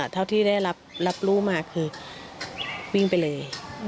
เท่าที่ได้รับรู้มาคือวิ่งไปเลย